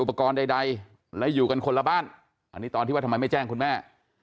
ใดและอยู่กันคนละบ้านอันนี้ตอนที่ว่าทำไมไม่แจ้งคุณแม่